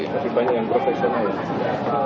tapi banyak yang profesional ya